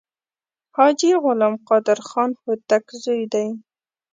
حاجي غلام قادر خان هوتک زوی دی.